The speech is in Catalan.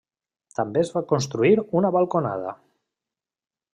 També es va construir una balconada.